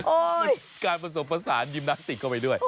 โอ๊ยการผสมภาษายิมนาสติกเข้าไปด้วย